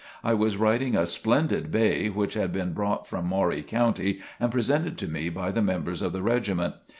I was riding a splendid bay which had been brought from Maury County and presented to me by the members of the regiment.